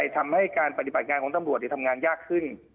ทำให้การปฏิบัติงานของตำรวจทำงานยากขึ้น